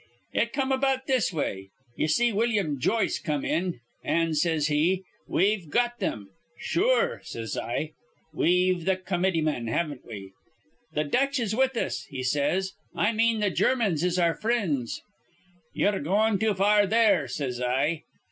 "It come about this way: Ye see Willum Joyce come in, an' says he, 'We've got thim.' 'Sure,' says I. 'We've the comityman, haven't we?' 'Th' Dutch is with us,' he says. 'I mane the Germans is our frinds.' 'Ye're goin' too far there,' says I.